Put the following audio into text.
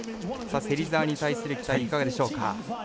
芹澤に対する期待いかがでしょうか？